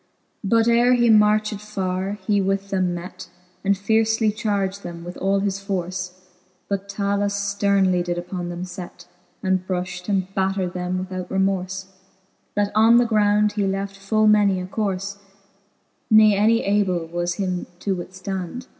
VIL But ere he marched farre, he with them met, And fiercely charged them with all his force ; But Talus flernely upon them did fet, And brufht and battred them without remorfe, That on the ground he left full many a corfe j Ne any able was him to withftand.